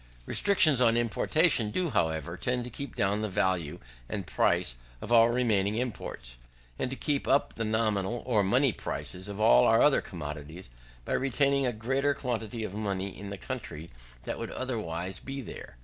Restrictions on importation do, however, tend to keep down the value and price of our remaining imports, and to keep up the nominal or money prices of all our other commodities, by retaining a greater quantity of money in the country than would otherwise be there.